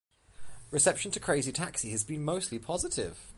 Reception to "Crazy Taxi" has been mostly positive.